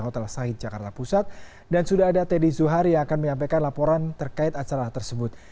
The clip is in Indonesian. hotel sahid jakarta pusat dan sudah ada teddy zuhari yang akan menyampaikan laporan terkait acara tersebut